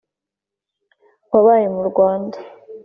Wabaye mu Rwanda.